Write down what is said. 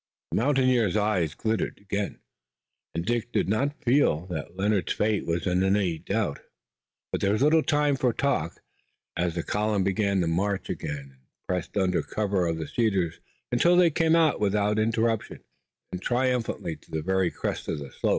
The mountaineer's eyes glittered again, and Dick did not feel that Leonard's fate was in any doubt. But there was little time for talk, as the column began the march again and pressed on under cover of the cedars until they came without interruption and triumphantly to the very crest of the slope.